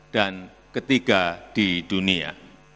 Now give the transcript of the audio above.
dan ketiga di dunia